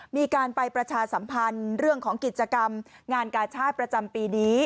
มีการไปประชาสัมพันธ์เรื่องของกิจกรรมงานกาชาติประจำปีนี้